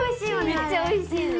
めっちゃおいしいの。